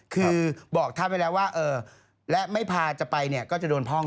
คือบอกท่านไว้แล้วว่าเออและไม่พาจะไปเนี่ยก็จะโดนพ่อง